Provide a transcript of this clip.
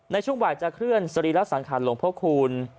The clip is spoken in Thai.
ในช่วงบ่ายจะเคลื่อนสรีระสังขารหลวงพระคูณ